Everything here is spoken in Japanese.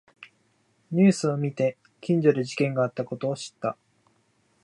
ニュースを見て近所で事件があったことを知った